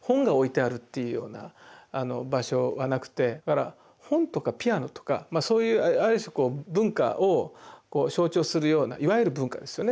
本が置いてあるっていうような場所はなくてだから本とかピアノとかそういうある種文化を象徴するようないわゆる「文化」ですよね